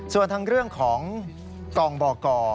ส่วนทั้งเรื่องของกองบก